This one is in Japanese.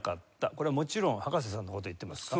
これはもちろん葉加瀬さんの事を言ってますか？